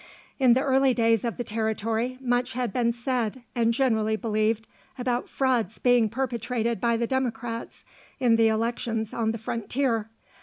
In the early days of the territory much had been said, and generally believed, about frauds being perpetrated by the Democrats in the elections on the frontier.